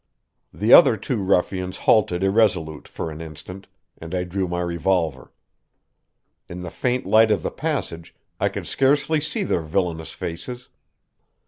The other two ruffians halted irresolute for an instant, and I drew my revolver. In the faint light of the passage I could scarcely see their villainous faces.